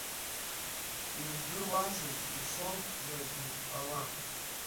Иудыруазеи, ицо-заргьы ҟалап.